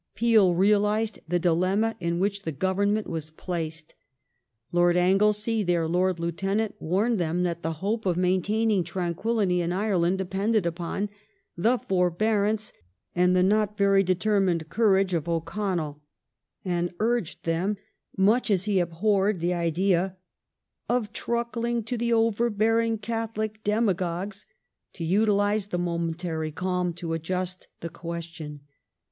^ Peel realized the dilemma in which the Government was placed. Lord Anglesey, their Lord Lieutenant, warned them that the hope of maintaining tranquillity in Ireland depended upon " the forbearance and the not very determined courage of O'Connell," and urged them, much as he abhorred the idea of " truckling to the over bearing Catholic Demagogues," to utilize the momentary calm to adjust the question.